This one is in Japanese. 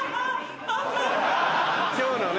今日のね。